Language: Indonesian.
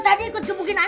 tadi ikut kemungkinan